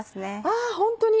あホントに！